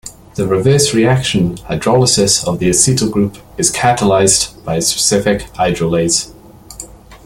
The reverse reaction, hydrolysis of the acetyl group, is catalyzed by a specific hydrolase.